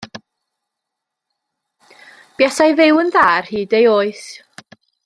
Buasai fyw yn dda ar hyd ei oes.